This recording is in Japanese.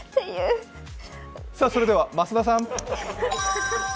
それでは増田さん。